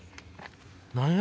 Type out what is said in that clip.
何や？